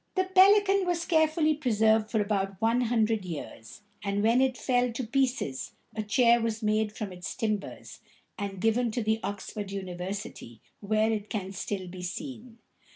] The Pelican was carefully preserved for about one hundred years, and when it fell to pieces a chair was made from its timbers, and given to the Oxford University, where it can still be seen.